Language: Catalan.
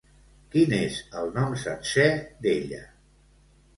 Quin és el nom sencer d'ella?